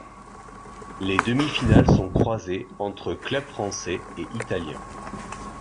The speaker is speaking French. Les demi-finales sont croisées entre clubs français et italiens.